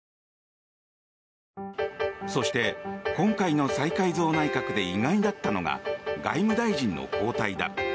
そして、今回の再改造内閣で意外だったのが外務大臣の交代だ。